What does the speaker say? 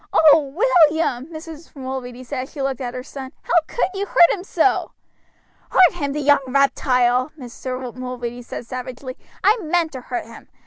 "Oh! William!" Mrs. Mulready said as she looked at her son, "how could you hurt him so!" "Hurt him, the young reptile!" Mr. Mulready said savagely. "I meant to hurt him.